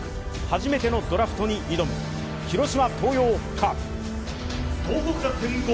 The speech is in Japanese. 初めてのドラフトに挑む、広島東洋カープ。